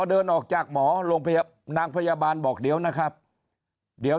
เดินออกจากหมอโรงพยาบาลนางพยาบาลบอกเดี๋ยวนะครับเดี๋ยว